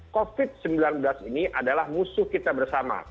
covid sembilan belas ini adalah musuh kita bersama